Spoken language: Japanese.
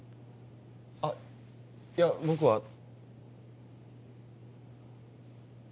あっいや僕は。